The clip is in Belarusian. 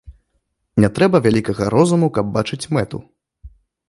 Не трэба вялікага розуму, каб бачыць мэту.